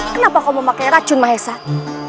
kenapa kau mau pakai racun mahesat